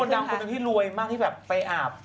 มีคนดังคนนี้ที่รวยมากที่แม่งไปอาบ